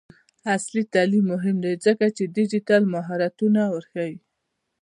عصري تعلیم مهم دی ځکه چې ډیجیټل مهارتونه ورښيي.